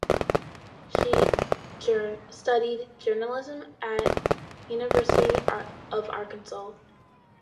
She studied journalism at the University of Arkansas.